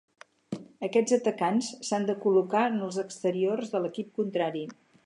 Aquests atacants s'han de col·locar en els exteriors de l'equip contrari.